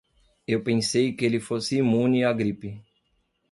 Eu pensei que ele fosse imune à gripe.